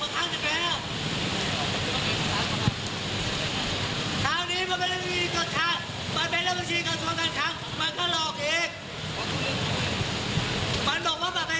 เรียกว่ามันเป็นเรียกว่ามันเป็นนักกิจกันทรวมกันขังได้